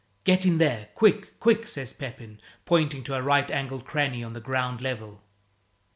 "Get in there, quick, quick!" says Pepin, pointing to a right angled cranny on the ground level.